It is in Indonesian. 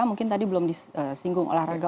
mungkin tadi belum disinggung olahraga